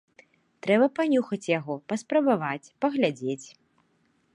Трэба панюхаць яго, паспрабаваць, паглядзець.